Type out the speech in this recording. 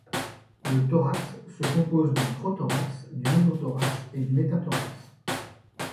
Le thorax se compose du prothorax, du mésothorax et du métathorax.